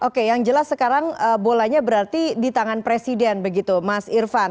oke yang jelas sekarang bolanya berarti di tangan presiden begitu mas irfan